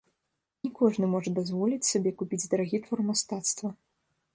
Не кожны можа дазволіць сабе купіць дарагі твор мастацтва.